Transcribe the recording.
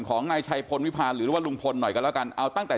ของนายชัยพลวิพาลหรือว่าลุงพลหน่อยกันแล้วกันเอาตั้งแต่